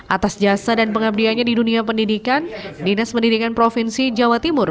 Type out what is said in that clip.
atas jasa dan pengabdiannya di dunia pendidikan dinas pendidikan provinsi jawa timur